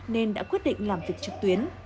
nên đã quyết định làm việc trực tuyến